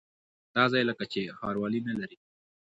دا ځای لکه چې ښاروالي نه لري.